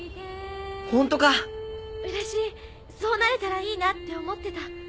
ホントか⁉うれしいそうなれたらいいなって思ってた。